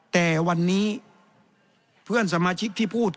แสดงว่าความทุกข์มันไม่ได้ทุกข์เฉพาะชาวบ้านด้วยนะ